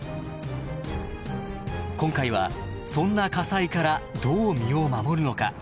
今回はそんな火災からどう身を守るのか。